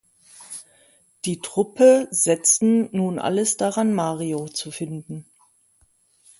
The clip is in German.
Die Truppe setzen nun alles daran Mario zu finden.